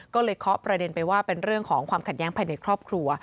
ก็เลยเคาะประเด็นไปว่าเป็นเรื่องของความขัดแย้งภายในครอบครัว